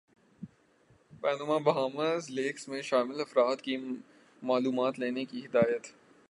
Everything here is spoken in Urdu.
پانامابہاماس لیکس میں شامل افراد کی معلومات لینے کی ہدایت